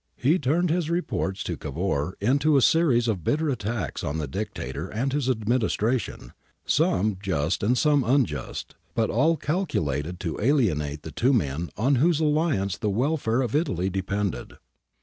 He turned his reports to Cavour into a series of bitter attacks on the Dictator and his administration, some just and some unjust, but all cal culated to alienate the two men on whose alliance the welfare of Italy depended.